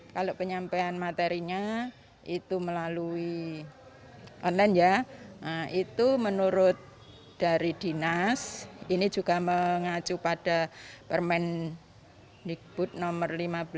kalau penyampaian materinya itu melalui online ya itu menurut dari dinas ini juga mengacu pada permen nikbud nomor lima belas